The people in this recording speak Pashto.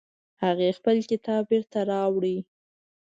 هغې خپل کتاب بیرته راوړ